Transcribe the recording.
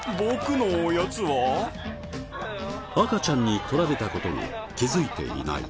赤ちゃんに取られた事に気づいていない。